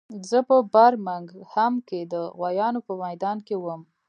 زه په برمنګهم کې د غویانو په میدان کې وم